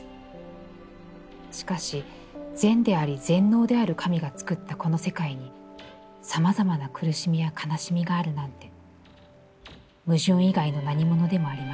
しかし、善であり全能である神が造ったこの世界にさまざまな苦しみや悲しみがあるなんて矛盾以外のなにものでもありません。